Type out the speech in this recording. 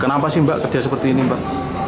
kenapa sih mbak kerja seperti ini mbak